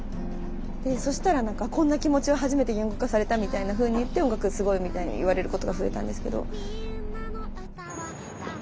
そしたらこんな気持ちを初めて言語化されたみたいなふうに言って音楽すごいみたいに言われることが増えたんですけど。